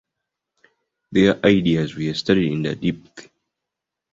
Their ideas were studied in depth.